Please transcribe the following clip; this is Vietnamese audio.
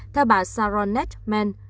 theo bà sarah nettman